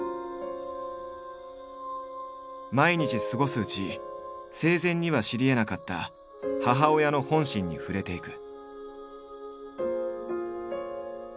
毎日過ごすうち生前には知りえなかった母親の本心に触れていく。